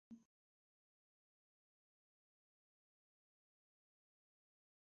Do que a terra, mais garrida